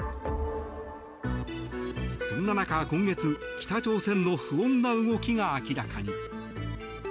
そんな中、今月北朝鮮の不穏な動きが明らかに。